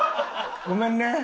ごめんね。